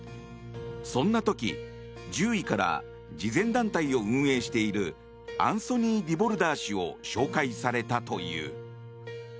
そんな時、獣医から慈善団体を運営しているアンソニー・ディボルダー氏を紹介されたという。